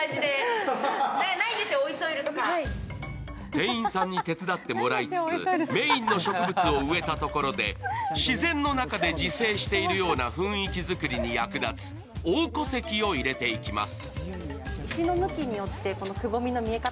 店員さんに手伝ってもらいつつメインの植物を植えたところで自然の中で自生しているような雰囲気作りに役立つ黄虎石を入れていきます。